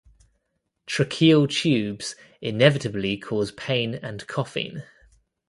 Tracheal tubes inevitably cause pain and coughing.